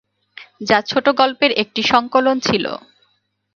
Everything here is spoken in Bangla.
যা ছোট গল্পের একটি সংকলন ছিল।